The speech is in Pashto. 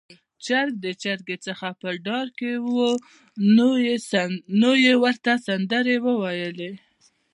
چرګ د چرګې څخه په ډار کې و، نو يې ورته سندرې وويلې